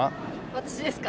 私ですか？